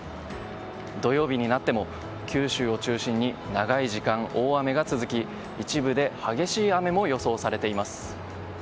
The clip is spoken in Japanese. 土曜日になっても九州を中心に長い時間大雨が続き、一部で激しい雨も予想されています。